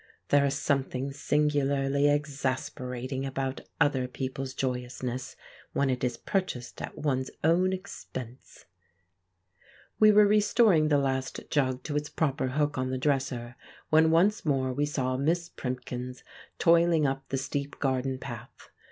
There is something singularly exasperating about other people's joyousness, when it is purchased at one's own expense! We were restoring the last jug to its proper hook on the dresser, when once more we saw Miss Primkins toiling up the steep garden path.